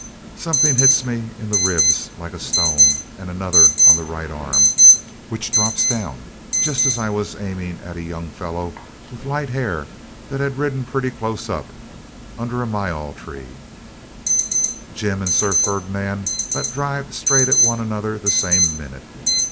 Something hits me in the ribs like a stone, and another on the right arm, which drops down just as I was aiming at a young fellow with light hair that had ridden pretty close up, under a myall tree. Jim and Sir Ferdinand let drive straight at one another the same minute.